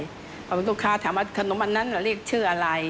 เพราะลูกค้าถามว่าขนมอันนั้นเรียกชื่ออะไร